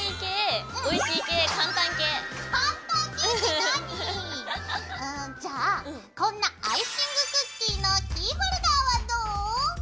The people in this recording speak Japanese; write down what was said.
かんたん系って何⁉うんじゃあこんなアイシングクッキーのキーホルダーはどう？